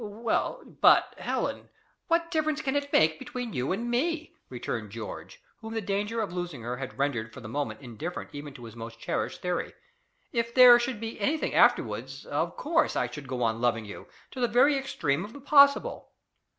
"Well, but, Helen, what difference can it make between you and me?" returned George, whom the danger of losing her had rendered for the moment indifferent even to his most cherished theory. "If there should be anything afterwards, of course I should go on loving you to the very extreme of the possible."